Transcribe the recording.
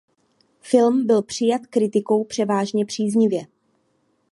Film byl přijat kritikou převážně příznivě.